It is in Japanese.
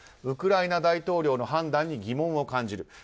ウクライナ大統領の判断に疑問を感じる。